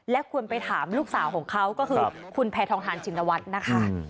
ควรไปถามลูกสาวของเขาก็คือคุณแพทองทานชินวัฒน์นะคะ